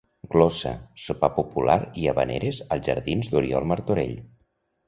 Glossa, sopar popular i havaneres als jardins d'Oriol Martorell.